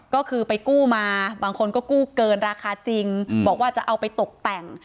ก็คือไปกู้มาบางคนก็กู้เกินราคาจริงบอกว่าจะเอาไปตกแต่ง